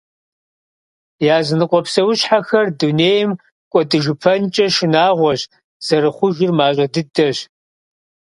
Языныкъуэ псэущхьэхэр дунейм кӀуэдыжыпэнкӏэ шынагъуэщ, зэрыхъужыр мащӏэ дыдэщ.